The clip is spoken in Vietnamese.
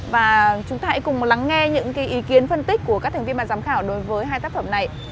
và chúng ta hãy cùng lắng nghe những ý kiến phân tích của các thành viên ban giám khảo đối với hai tác phẩm này